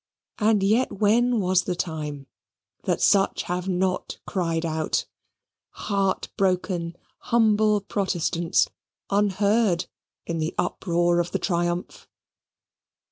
And yet when was the time that such have not cried out: heart broken, humble protestants, unheard in the uproar of the triumph!